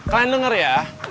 kalian dengar ya